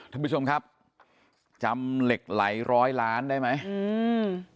ท่านผู้ชมครับจำเหล็กไหลร้อยล้านได้ไหมอืม